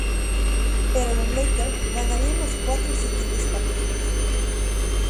Pero los Lakers ganarían los cuatro siguientes partidos.